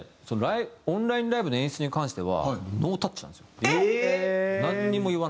そのオンラインライブの演出に関してはノータッチなんですよ。